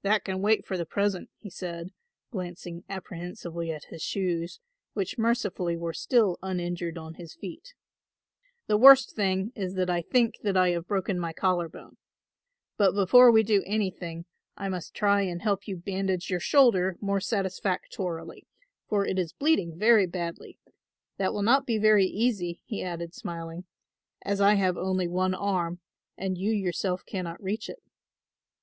"That can wait for the present," he said, glancing apprehensively at his shoes, which mercifully were still uninjured on his feet; "the worst thing is that I think that I have broken my collar bone. But before we do anything I must try and help you bandage your shoulder more satisfactorily for it is bleeding very badly. That will not be very easy," he added, smiling, "as I have only one arm and you yourself cannot reach it."